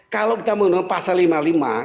kalau kita menurut pasal lima puluh lima